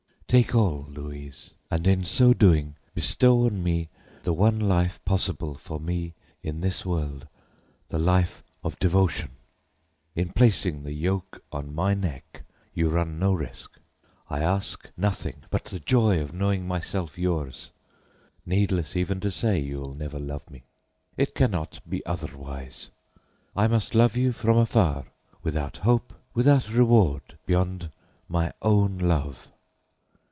"Take all, Louise, and is so doing bestow on me the one life possible for me in this world the life of devotion. In placing the yoke on my neck, you run no risk; I ask nothing but the joy of knowing myself yours. Needless even to say you will never love me; it cannot be otherwise. I must love you from afar, without hope, without reward beyond my own love.